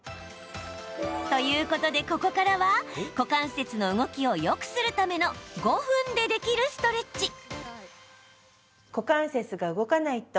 ということで、ここからは股関節の動きをよくするための５分でできるストレッチ。